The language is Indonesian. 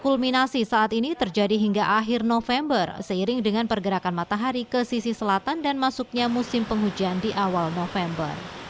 kulminasi saat ini terjadi hingga akhir november seiring dengan pergerakan matahari ke sisi selatan dan masuknya musim penghujan di awal november